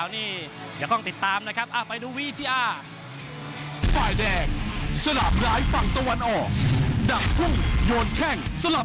เดี๋ยวคล้องติดตามนะครับไปดูวิทยา